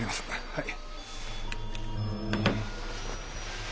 はい。